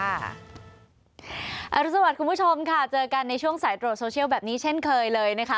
รุสวัสดิ์คุณผู้ชมค่ะเจอกันในช่วงสายตรวจโซเชียลแบบนี้เช่นเคยเลยนะคะ